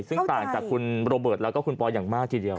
ซึ่งต่างจากคุณโรเบิร์ตแล้วก็คุณปอยอย่างมากทีเดียว